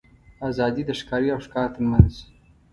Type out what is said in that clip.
آزادي د ښکاري او ښکار تر منځ.